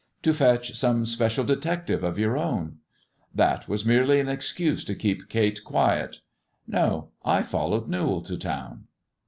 "To fetch some special detective of your own." '* That was merely an excuse to keep Elate quiet. No ! I followed Newall to town."